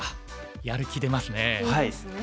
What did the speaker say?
やる気出ますね。